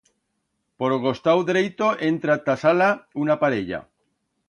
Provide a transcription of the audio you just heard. Por o costau dreito entra t'a sala una parella.